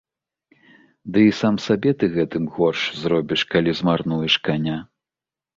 Ды і сам сабе ты гэтым горш зробіш, калі змарнуеш каня.